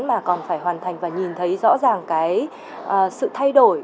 mà còn phải hoàn thành và nhìn thấy rõ ràng cái sự thay đổi